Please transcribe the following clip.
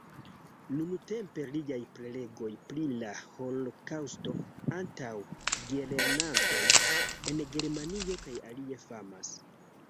Nuntempe liaj prelegoj pri la holokaŭsto antaŭ gelernantoj en Germanio kaj alie famas.